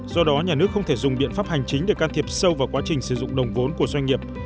do đó nhà nước không thể dùng biện pháp hành chính để can thiệp sâu vào quá trình sử dụng đồng vốn của doanh nghiệp